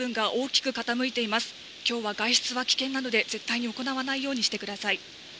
きょうは外出は危険なので、絶対に行わないようにしてください。